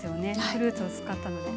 フルーツを使ったので。